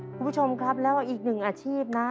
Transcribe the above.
คุณผู้ชมครับแล้วอีกหนึ่งอาชีพนะ